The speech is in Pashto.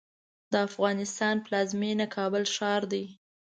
د افغانستان پلازمېنه کابل ښار دی.